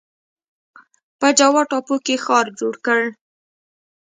په جاوا ټاپو کې ښار جوړ کړ.